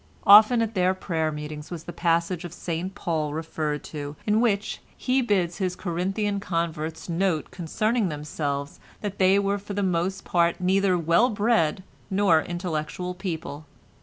Often at their prayer meetings was the passage of St Paul referred to in which he bids his Corinthian converts note concerning themselves that they were for the most part neither well bred nor intellectual people.